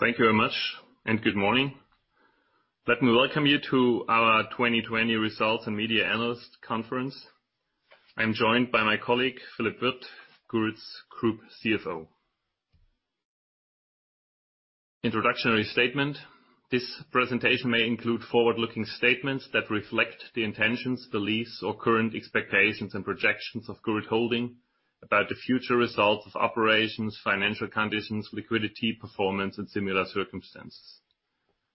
Thank you very much. Good morning. Let me welcome you to our 2020 results and media analyst conference. I'm joined by my colleague, Philippe Wirth, Gurit's Group CFO. Introductionary statement. This presentation may include forward-looking statements that reflect the intentions, beliefs, or current expectations and projections of Gurit Holding about the future results of operations, financial conditions, liquidity, performance, and similar circumstances.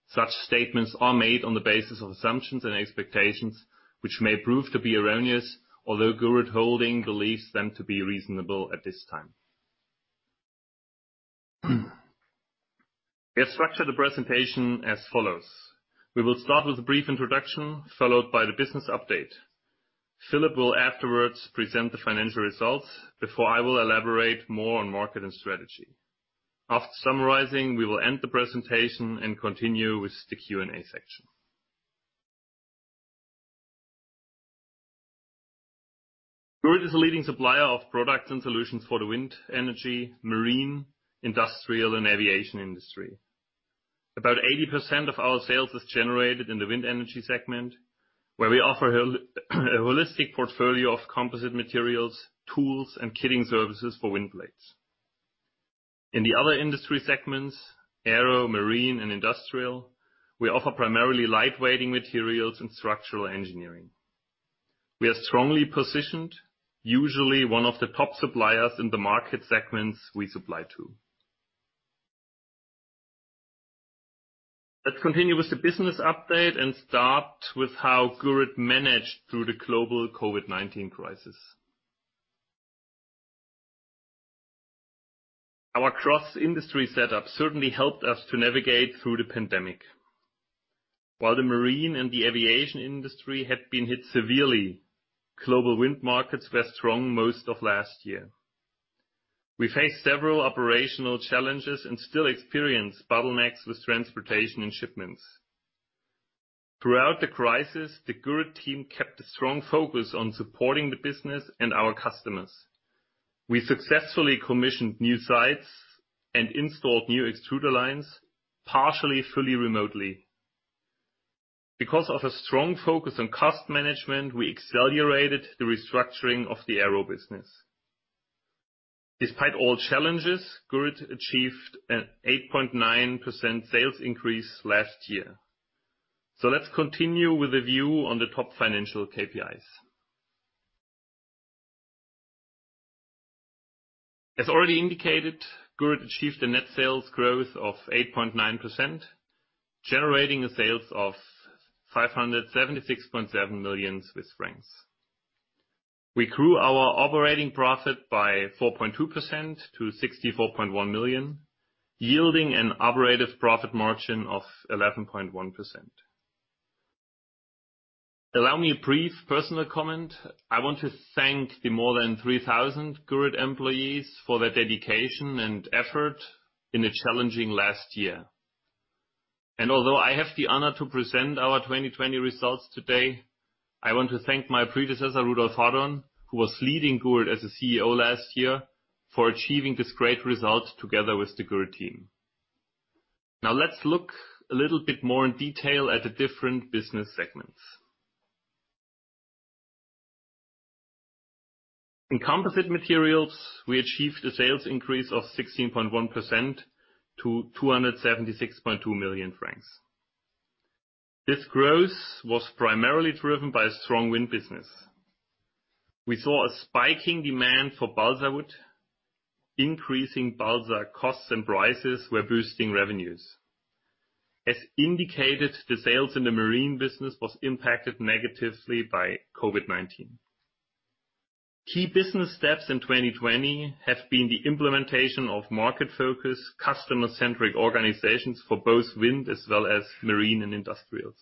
Such statements are made on the basis of assumptions and expectations, which may prove to be erroneous, although Gurit Holding believes them to be reasonable at this time. We have structured the presentation as follows. We will start with a brief introduction, followed by the business update. Philippe will afterwards present the financial results before I will elaborate more on market and strategy. After summarizing, we will end the presentation and continue with the Q&A section. Gurit is a leading supplier of products and solutions for the wind energy, marine, industrial, and aviation industry. About 80% of our sales is generated in the wind energy segment, where we offer a holistic portfolio of composite materials, tools, and kitting services for wind blades. In the other industry segments, Aero, marine, and industrial, we offer primarily lightweighting materials and structural engineering. We are strongly positioned, usually one of the top suppliers in the market segments we supply to. Let's continue with the business update and start with how Gurit managed through the global COVID-19 crisis. Our cross-industry setup certainly helped us to navigate through the pandemic. While the marine and the aviation industry had been hit severely, global wind markets were strong most of last year. We faced several operational challenges and still experience bottlenecks with transportation and shipments. Throughout the crisis, the Gurit team kept a strong focus on supporting the business and our customers. We successfully commissioned new sites and installed new extruder lines, partially, fully remotely. Because of a strong focus on cost management, we accelerated the restructuring of the Aero business. Despite all challenges, Gurit achieved an 8.9% sales increase last year. Let's continue with a view on the top financial KPIs. As already indicated, Gurit achieved a net sales growth of 8.9%, generating a sales of 576.7 million Swiss francs. We grew our operating profit by 4.2% to 64.1 million, yielding an operative profit margin of 11.1%. Allow me a brief personal comment. I want to thank the more than 3,000 Gurit employees for their dedication and effort in a challenging last year. Although I have the honor to present our 2020 results today, I want to thank my predecessor, Rudolf Hadorn, who was leading Gurit as a CEO last year, for achieving this great result together with the Gurit team. Now let's look a little bit more in detail at the different business segments. In composite materials, we achieved a sales increase of 16.1% to 276.2 million francs. This growth was primarily driven by a strong wind business. We saw a spiking demand for balsa wood, increasing balsa costs and prices were boosting revenues. As indicated, the sales in the marine business was impacted negatively by COVID-19. Key business steps in 2020 have been the implementation of market-focus, customer-centric organizations for both wind as well as marine and industrials.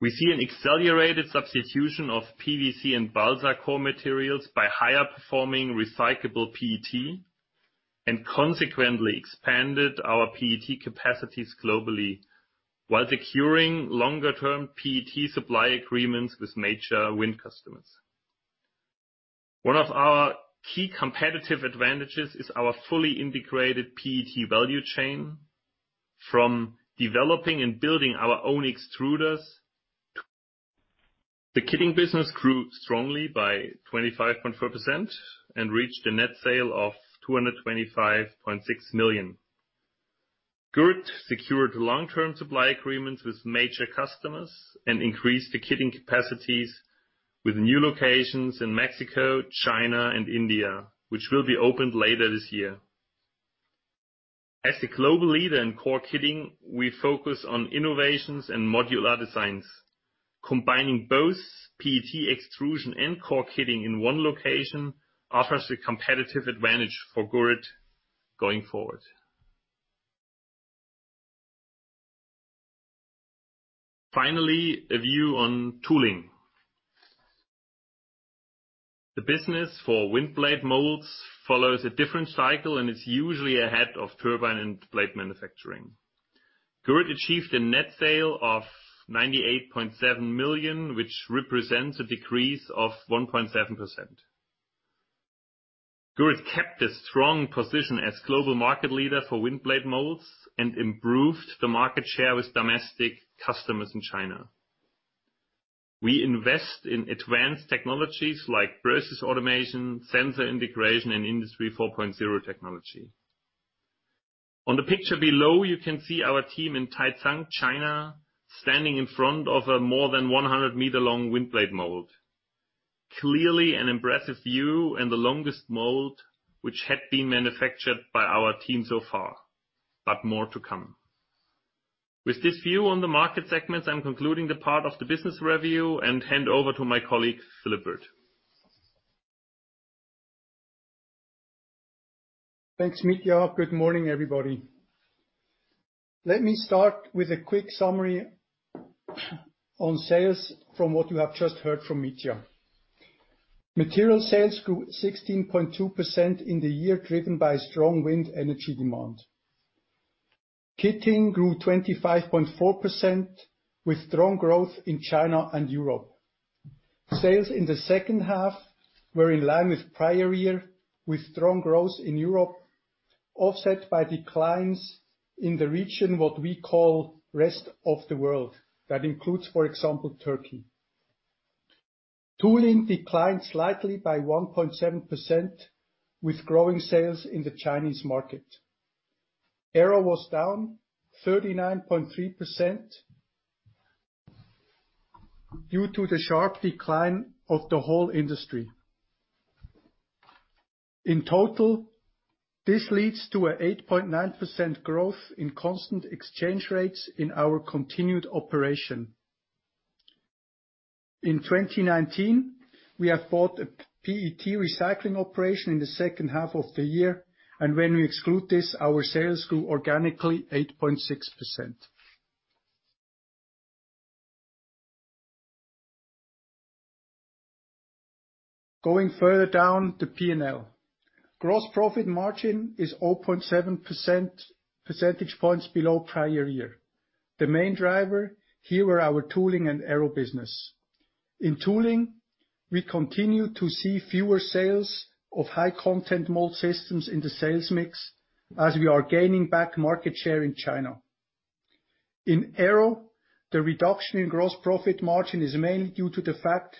We see an accelerated substitution of PVC and balsa core materials by higher performing recyclable PET, and consequently expanded our PET capacities globally while securing longer term PET supply agreements with major wind customers. One of our key competitive advantages is our fully integrated PET value chain from developing and building our own extruders. The kitting business grew strongly by 25.4% and reached a net sale of 225.6 million. Gurit secured long-term supply agreements with major customers and increased the kitting capacities with new locations in Mexico, China, and India, which will be opened later this year. As a global leader in core kitting, we focus on innovations and modular designs. Combining both PET extrusion and core kitting in one location offers a competitive advantage for Gurit going forward. Finally, a view on tooling. The business for wind blade molds follows a different cycle and is usually ahead of turbine and blade manufacturing. Gurit achieved a net sale of 98.7 million, which represents a decrease of 1.7%. Gurit kept a strong position as global market leader for wind blade molds and improved the market share with domestic customers in China. We invest in advanced technologies like process automation, sensor integration, and Industry 4.0 technology. On the picture below, you can see our team in Taicang, China, standing in front of a more than 100 m-long wind blade mold. Clearly an impressive view and the longest mold which had been manufactured by our team so far, but more to come. With this view on the market segments, I'm concluding the part of the business review and hand over to my colleague, Philippe. Thanks, Mitja. Good morning, everybody. Let me start with a quick summary on sales from what you have just heard from Mitja. Material sales grew 16.2% in the year, driven by strong wind energy demand. Kitting grew 25.4% with strong growth in China and Europe. Sales in the second half were in line with prior year, with strong growth in Europe, offset by declines in the region, what we call rest of the world. That includes, for example, Turkey. Tooling declined slightly by 1.7% with growing sales in the Chinese market. Aero was down 39.3% due to the sharp decline of the whole industry. In total, this leads to a 8.9% growth in constant exchange rates in our continued operation. In 2019, we have bought a PET recycling operation in the second half of the year, and when we exclude this, our sales grew organically 8.6%. Going further down the P&L. Gross profit margin is 0.7% percentage points below prior year. The main driver here were our tooling and Aero business. In tooling, we continue to see fewer sales of high-content mold systems in the sales mix as we are gaining back market share in China. In Aero, the reduction in gross profit margin is mainly due to the fact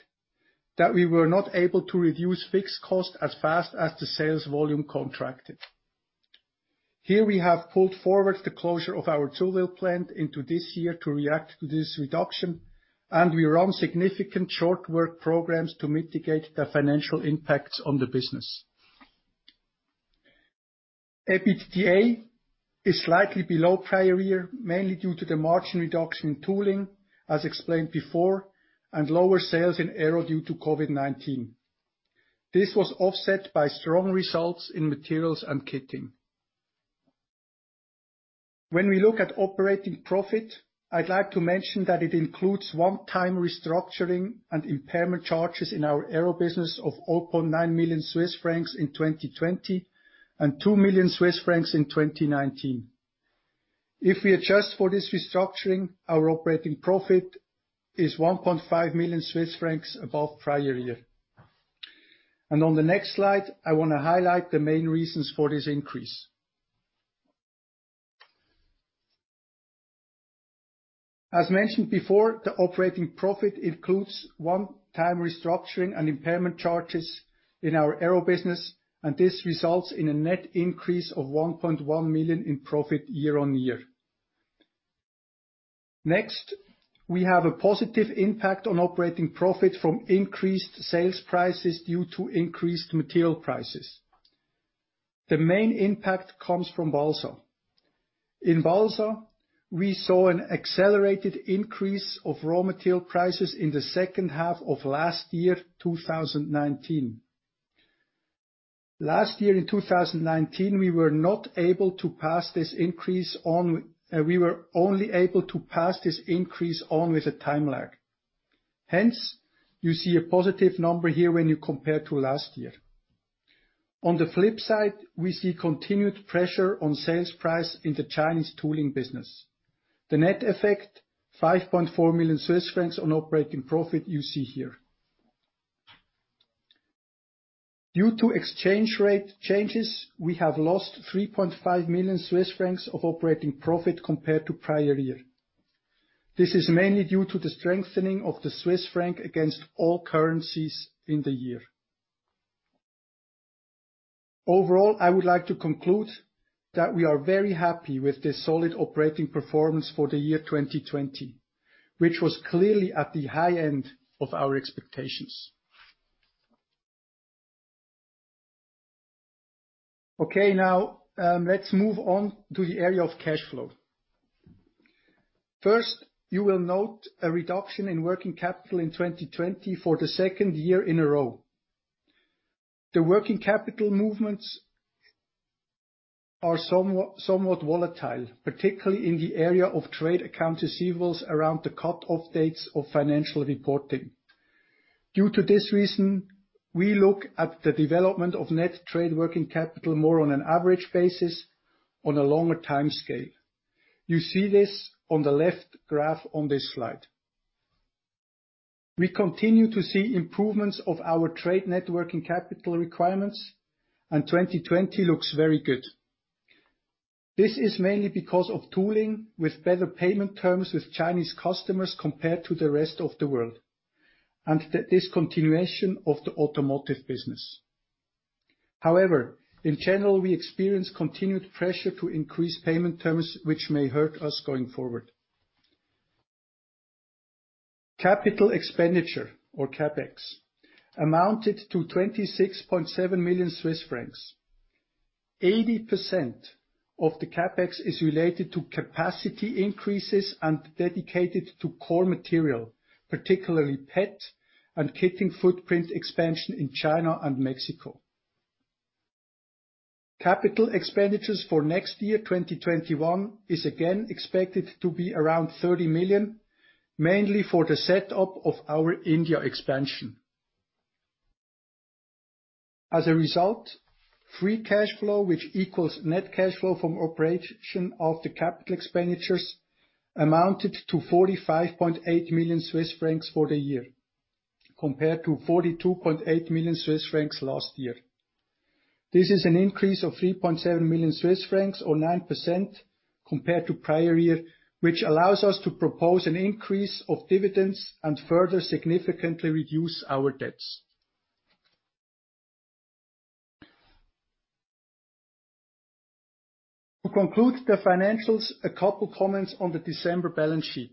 that we were not able to reduce fixed cost as fast as the sales volume contracted. Here, we have pulled forward the closure of our Zullwil plant into this year to react to this reduction, and we run significant short work programs to mitigate the financial impacts on the business. EBITDA is slightly below prior year, mainly due to the margin reduction in tooling, as explained before, and lower sales in Aero due to COVID-19. This was offset by strong results in materials and kitting. When we look at operating profit, I'd like to mention that it includes one-time restructuring and impairment charges in our Aero business of 0.9 million Swiss francs in 2020 and 2 million Swiss francs in 2019. If we adjust for this restructuring, our operating profit is 1.5 million Swiss francs above prior year. On the next slide, I want to highlight the main reasons for this increase. As mentioned before, the operating profit includes one-time restructuring and impairment charges in our Aerospace business, and this results in a net increase of 1.1 million in profit year on year. Next, we have a positive impact on operating profit from increased sales prices due to increased material prices. The main impact comes from balsa. In balsa, we saw an accelerated increase of raw material prices in the second half of last year, 2019. Last year in 2019, we were only able to pass this increase on with a time lag. Hence, you see a positive number here when you compare to last year. On the flip side, we see continued pressure on sales price in the Chinese tooling business. The net effect, 5.4 million Swiss francs on operating profit you see here. Due to exchange rate changes, we have lost 3.5 million Swiss francs of operating profit compared to prior year. This is mainly due to the strengthening of the Swiss franc against all currencies in the year. Overall, I would like to conclude that we are very happy with this solid operating performance for the year 2020, which was clearly at the high end of our expectations. Now, let's move on to the area of cash flow. First, you will note a reduction in working capital in 2020 for the second year in a row. The working capital movements are somewhat volatile, particularly in the area of trade account receivables around the cut-off dates of financial reporting. Due to this reason, we look at the development of net trade working capital more on an average basis on a longer timescale. You see this on the left graph on this slide. We continue to see improvements of our trade net working capital requirements, and 2020 looks very good. This is mainly because of tooling with better payment terms with Chinese customers, compared to the rest of the world, and the discontinuation of the automotive business. However, in general, we experience continued pressure to increase payment terms, which may hurt us going forward. Capital expenditure, or CapEx, amounted to 26.7 million Swiss francs. 80% of the CapEx is related to capacity increases and dedicated to core material, particularly PET and kitting footprint expansion in China and Mexico. Capital expenditures for next year, 2021, is again expected to be around 30 million, mainly for the setup of our India expansion. As a result, free cash flow, which equals net cash flow from operation of the capital expenditures, amounted to 45.8 million Swiss francs for the year, compared to 42.8 million Swiss francs last year. This is an increase of 3.7 million Swiss francs or 9% compared to prior year, which allows us to propose an increase of dividends and further significantly reduce our debts. To conclude the financials, a couple comments on the December balance sheet.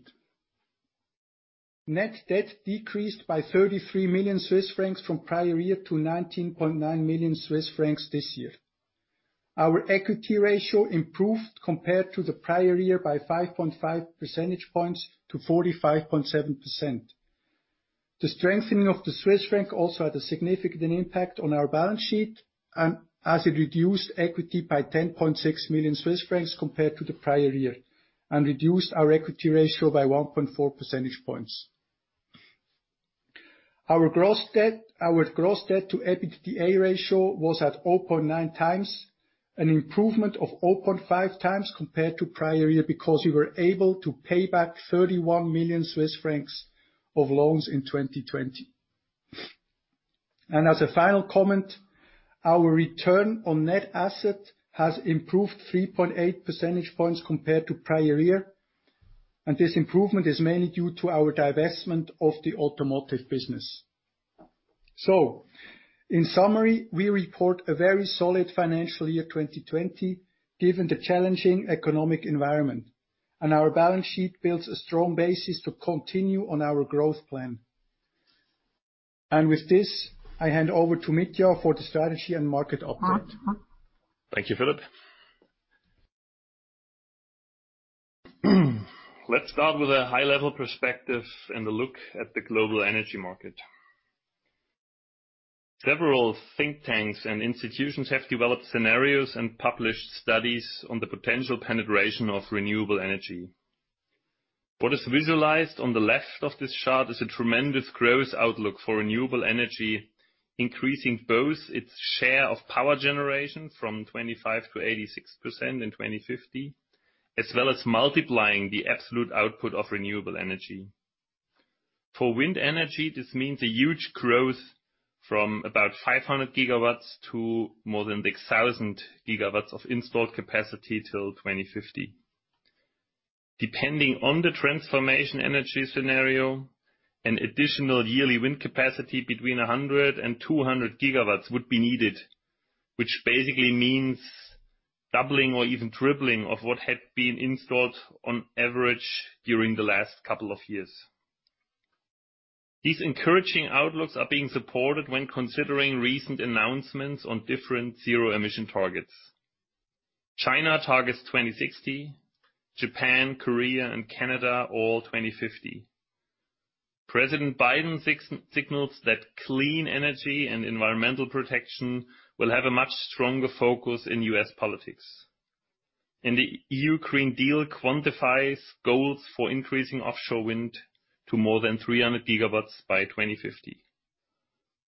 Net debt decreased by 33 million Swiss francs from prior year to 19.9 million Swiss francs this year. Our equity ratio improved compared to the prior year by 5.5 percentage points to 45.7%. The strengthening of the Swiss franc also had a significant impact on our balance sheet, as it reduced equity by 10.6 million Swiss francs compared to the prior year and reduced our equity ratio by 1.4 percentage points. Our gross debt to EBITDA ratio was at 0.9x, an improvement of 0.5x compared to prior year, because we were able to pay back 31 million Swiss francs of loans in 2020. As a final comment, our return on net assets has improved 3.8 percentage points compared to prior year, and this improvement is mainly due to our divestment of the automotive business. In summary, we report a very solid financial year 2020, given the challenging economic environment. Our balance sheet builds a strong basis to continue on our growth plan. With this, I hand over to Mitja for the strategy and market update. Thank you, Philippe. Let's start with a high-level perspective and a look at the global energy market. Several think tanks and institutions have developed scenarios and published studies on the potential penetration of renewable energy. What is visualized on the left of this chart is a tremendous growth outlook for renewable energy, increasing both its share of power generation from 25% to 86% in 2050, as well as multiplying the absolute output of renewable energy. For wind energy, this means a huge growth from about 500 GW to more than 1,000 GW of installed capacity till 2050. Depending on the transformation energy scenario, an additional yearly wind capacity between 100 GW and 200 GW would be needed, which basically means doubling or even tripling of what had been installed on average during the last couple of years. These encouraging outlooks are being supported when considering recent announcements on different zero-emission targets. China targets 2060, Japan, Korea, and Canada, all 2050. President Biden signals that clean energy and environmental protection will have a much stronger focus in U.S. politics, and the European Green Deal quantifies goals for increasing offshore wind to more than 300 gigawatts by 2050.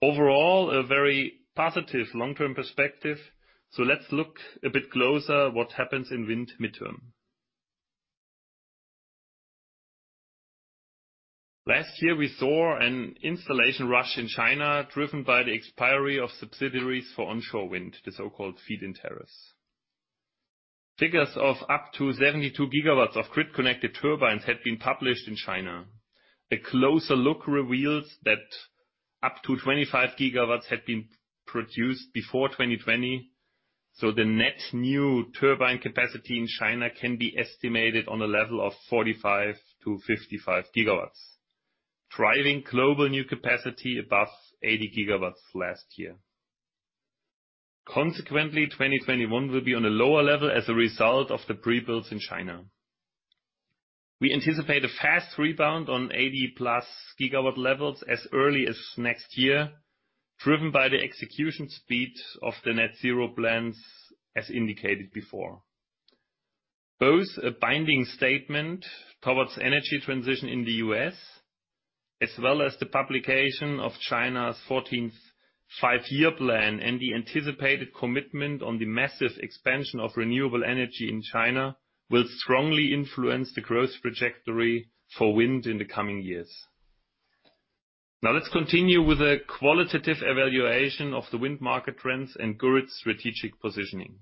Overall, a very positive long-term perspective, so let's look a bit closer what happens in wind midterm. Last year, we saw an installation rush in China driven by the expiry of subsidies for onshore wind, the so-called feed-in tariffs. Figures of up to 72 GW of grid-connected turbines had been published in China. A closer look reveals that up to 25 GW had been produced before 2020, so the net new turbine capacity in China can be estimated on a level of 45 GW-55 GW, driving global new capacity above 80 GW last year. Consequently, 2021 will be on a lower level as a result of the pre-builds in China. We anticipate a fast rebound on 80+ GW levels as early as next year, driven by the execution speed of the net zero plans as indicated before. Both a binding statement towards energy transition in the U.S., as well as the publication of China's 14th Five-Year Plan and the anticipated commitment on the massive expansion of renewable energy in China, will strongly influence the growth trajectory for wind in the coming years. Let's continue with a qualitative evaluation of the wind market trends and Gurit's strategic positioning.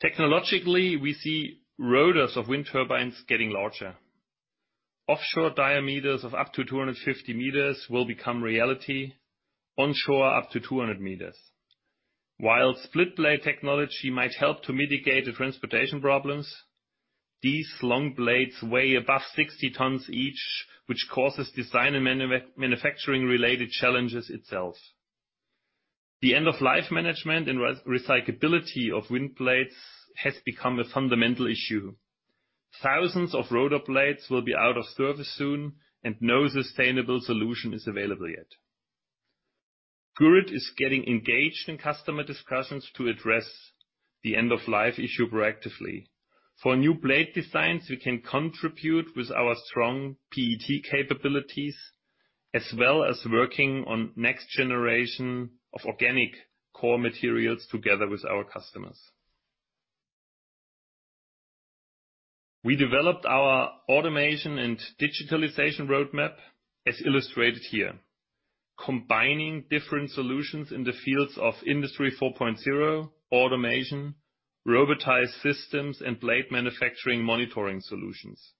Technologically, we see rotors of wind turbines getting larger. Offshore diameters of up to 250 m will become reality, onshore up to 200 m. While split blade technology might help to mitigate the transportation problems, these long blades weigh above 60 tons each, which causes design and manufacturing related challenges itself. The end of life management and recyclability of wind blades has become a fundamental issue. Thousands of rotor blades will be out of service soon, and no sustainable solution is available yet. Gurit is getting engaged in customer discussions to address the end of life issue proactively. For new blade designs, we can contribute with our strong PET capabilities, as well as working on next generation of organic core materials together with our customers. We developed our automation and digitalization roadmap, as illustrated here. Combining different solutions in the fields of Industry 4.0, automation, robotized systems, and blade manufacturing monitoring solutions.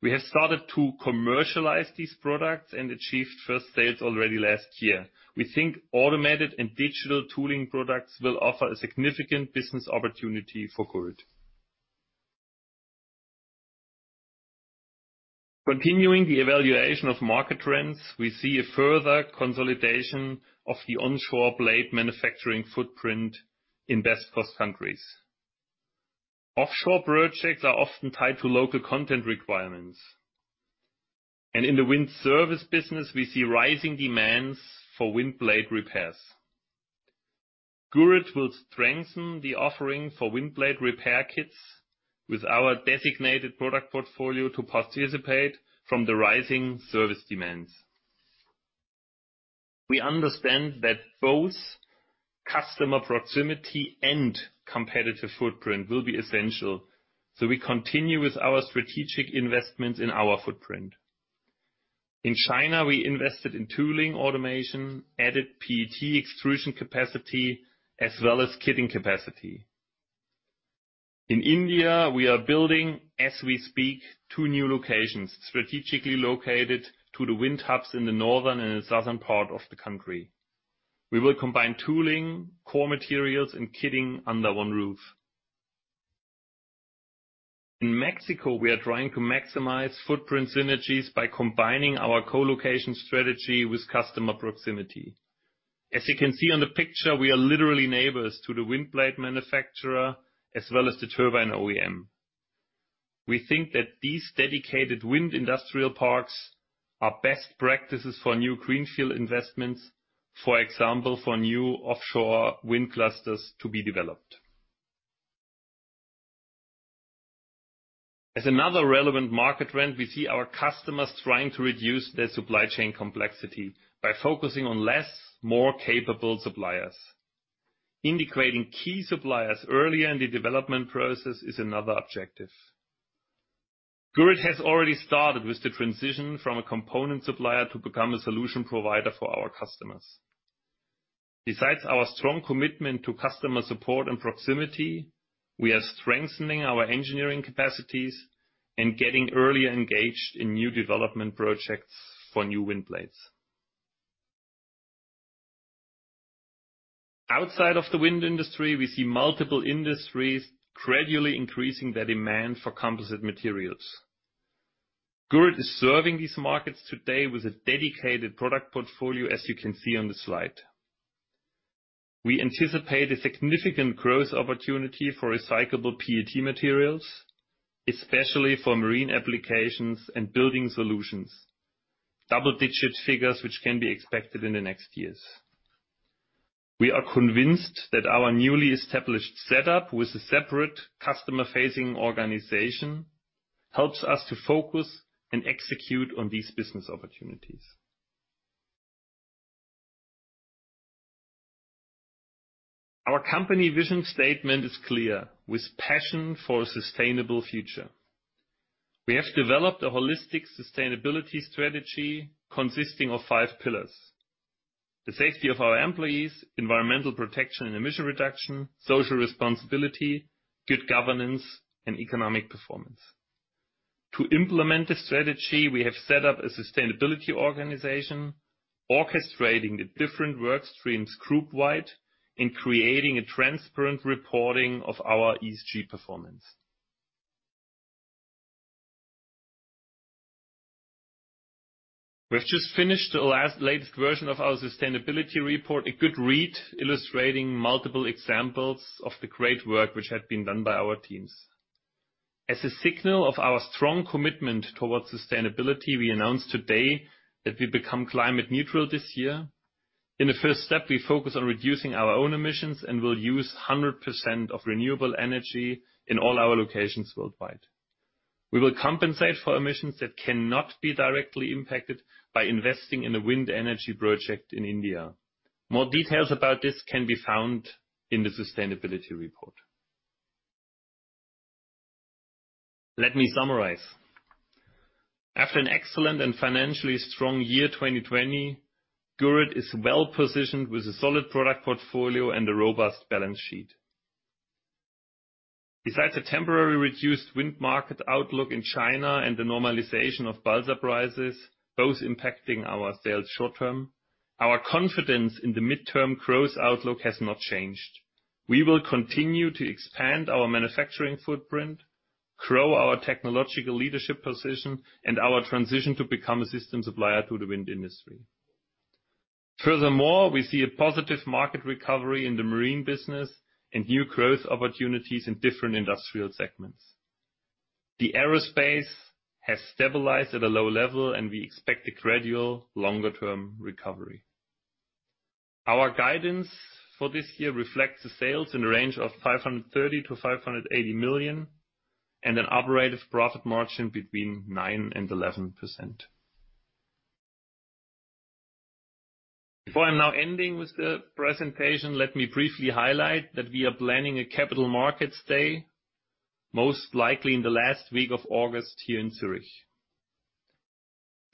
We have started to commercialize these products and achieved first sales already last year. We think automated and digital tooling products will offer a significant business opportunity for Gurit. Continuing the evaluation of market trends, we see a further consolidation of the onshore blade manufacturing footprint in best cost countries. Offshore projects are often tied to local content requirements, and in the wind service business, we see rising demands for wind blade repairs. Gurit will strengthen the offering for wind blade repair kits with our designated product portfolio to participate from the rising service demands. We understand that both customer proximity and competitive footprint will be essential, so we continue with our strategic investments in our footprint. In China, we invested in tooling automation, added PET extrusion capacity, as well as kitting capacity. In India, we are building, as we speak, two new locations, strategically located to the wind hubs in the northern and southern part of the country. We will combine tooling, core materials, and kitting under one roof. In Mexico, we are trying to maximize footprint synergies by combining our co-location strategy with customer proximity. As you can see on the picture, we are literally neighbors to the wind blade manufacturer, as well as the turbine OEM. We think that these dedicated wind industrial parks are best practices for new greenfield investments, for example, for new offshore wind clusters to be developed. As another relevant market trend, we see our customers trying to reduce their supply chain complexity by focusing on less, more capable suppliers. Integrating key suppliers early in the development process is another objective. Gurit has already started with the transition from a component supplier to become a solution provider for our customers. Besides our strong commitment to customer support and proximity, we are strengthening our engineering capacities and getting earlier engaged in new development projects for new wind blades. Outside of the wind industry, we see multiple industries gradually increasing their demand for composite materials. Gurit is serving these markets today with a dedicated product portfolio, as you can see on the slide. We anticipate a significant growth opportunity for recyclable PET materials, especially for marine applications and building solutions. Double-digit figures, which can be expected in the next years. We are convinced that our newly established setup, with a separate customer-facing organization, helps us to focus and execute on these business opportunities. Our company vision statement is clear: with passion for a sustainable future. We have developed a holistic sustainability strategy consisting of five pillars. The safety of our employees, environmental protection and emission reduction, social responsibility, good governance, and economic performance. To implement this strategy, we have set up a sustainability organization orchestrating the different work streams group wide and creating a transparent reporting of our ESG performance. We've just finished the latest version of our sustainability report, a good read illustrating multiple examples of the great work which had been done by our teams. As a signal of our strong commitment towards sustainability, we announce today that we become climate neutral this year. In the first step, we focus on reducing our own emissions and will use 100% of renewable energy in all our locations worldwide. We will compensate for emissions that cannot be directly impacted by investing in a wind energy project in India. More details about this can be found in the sustainability report. Let me summarize. After an excellent and financially strong year 2020, Gurit is well positioned with a solid product portfolio and a robust balance sheet. Besides the temporary reduced wind market outlook in China and the normalization of balsa prices, both impacting our sales short term, our confidence in the midterm growth outlook has not changed. We will continue to expand our manufacturing footprint, grow our technological leadership position, and our transition to become a system supplier to the wind industry. Furthermore, we see a positive market recovery in the marine business and new growth opportunities in different industrial segments. The Aerospace has stabilized at a low level, and we expect a gradual longer-term recovery. Our guidance for this year reflects the sales in the range of 530 million-580 million, and an operative profit margin between 9%-11%. Before I'm now ending with the presentation, let me briefly highlight that we are planning a capital markets day, most likely in the last week of August here in Zurich.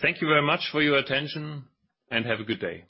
Thank you very much for your attention, and have a good day.